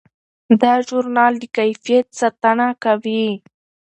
دا ژورنال د کیفیت ساتنه کوي.